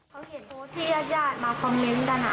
เขาเห็นโพสต์ที่ญาติมาคอมเมนต์กัน